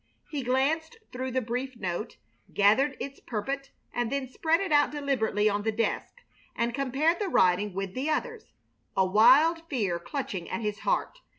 He glanced through the brief note, gathered its purport, and then spread it out deliberately on the desk and compared the writing with the others, a wild fear clutching at his heart.